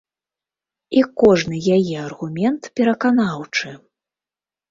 І кожны яе аргумент пераканаўчы.